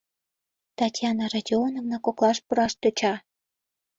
— Татьяна Родионовна коклаш пураш тӧча.